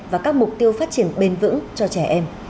và các mục tiêu phát triển bền vững cho trẻ em